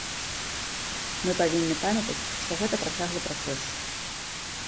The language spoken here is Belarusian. Мы павінны памятаць, што гэта працяглы працэс.